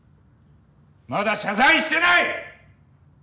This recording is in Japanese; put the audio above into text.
まだ謝罪してない！